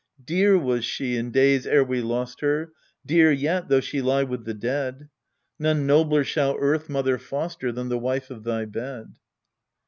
Dear was she in days ere we lost her, Dear yet, though she lie with the dead. None nobler shall Earth mother foster Than the wife of thy bed.